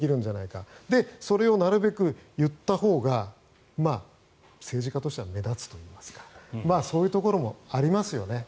それをなるべく言ったほうが政治家としては目立つといいますかそういうところもありますよね。